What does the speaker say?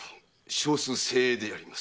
少数精鋭でやります。